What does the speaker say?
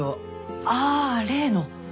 ああ例の。